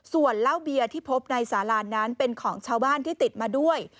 ส่วนเหล้าเบียร์ที่พบในสารานั้นเป็นของชาวบ้านที่ติดมาด้วย